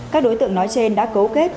các đối tượng nói trên đã cấu kết